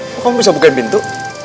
kok kamu bisa buka pintu